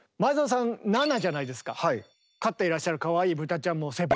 でも飼っていらっしゃるかわいい豚ちゃんも「セブン」。